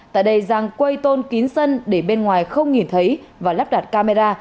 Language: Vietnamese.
tại đây giang quây tôn kín sân để bên ngoài không nhìn thấy và lắp đặt camera